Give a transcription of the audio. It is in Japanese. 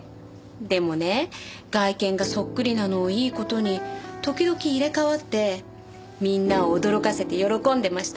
でもね外見がそっくりなのをいい事に時々入れ替わってみんなを驚かせて喜んでました。